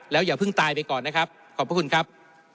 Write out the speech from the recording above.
แล้วอย่าพึ่งตายไปก่อนขอบพระคุณครับ